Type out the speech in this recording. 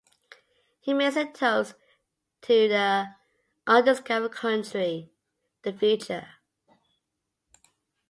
He makes a toast to "the undiscovered country...the future".